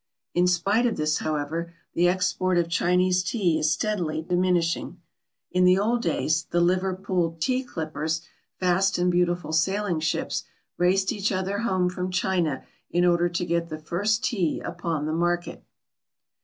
In spite of this, however, the export of Chinese tea is steadily diminishing. In the old days, the Liverpool "tea clippers," fast and beautiful sailing ships, raced each other home from China in order to get the first tea upon the market.